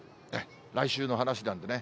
来週の話なんでね。